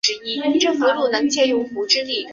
政和三年升润州置。